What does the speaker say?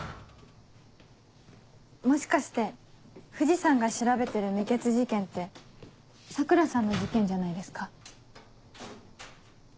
もしかして藤さんが調べてる未決事件って桜さんの事件じゃないですか？